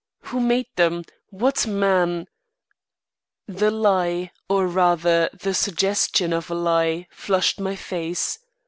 Who made them? What man " The lie, or rather the suggestion of a lie, flushed my face.